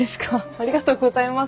ありがとうございます。